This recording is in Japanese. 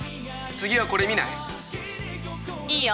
次はこれ見ない？